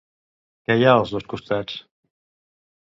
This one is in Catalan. Què hi ha als dos costats?